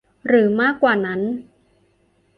หรือมากกว่านั้น